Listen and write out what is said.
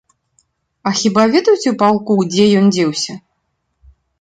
А хіба ведаюць у палку, дзе ён дзеўся?